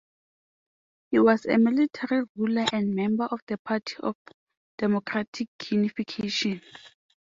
He was a military ruler and member of the Party of Democratic Unification.